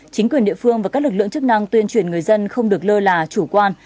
chính quyền địa phương và các lực lượng chức năng tuyên truyền người dân không được lơ là chủ quan